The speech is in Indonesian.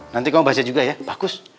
nanti kamu baca juga ya bagus